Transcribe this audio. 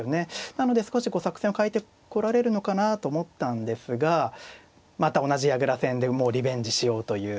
なので少しこう作戦を変えてこられるのかなと思ったんですがまた同じ矢倉戦でリベンジしようという。